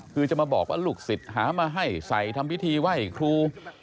คือจะมาบอกว่าลูกศิษย์หามาให้ใส่ทำพิธีไหว้ครู